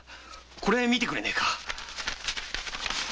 これを見てくれねぇか。